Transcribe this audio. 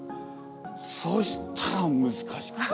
そしたらむずかしくて。